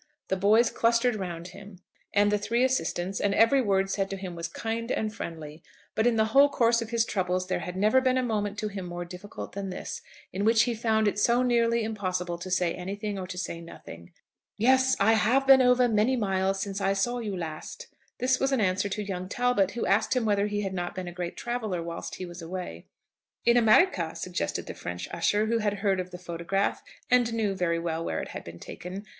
The boys clustered round him, and the three assistants, and every word said to him was kind and friendly; but in the whole course of his troubles there had never been a moment to him more difficult than this, in which he found it so nearly impossible to say anything or to say nothing. "Yes, I have been over very many miles since I saw you last." This was an answer to young Talbot, who asked him whether he had not been a great traveller whilst he was away. "In America," suggested the French usher, who had heard of the photograph, and knew very well where it had been taken.